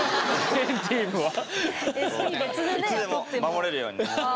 いつでも守れるように！